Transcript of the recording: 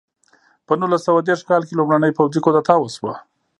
په نولس سوه دېرش کال کې لومړنۍ پوځي کودتا وشوه.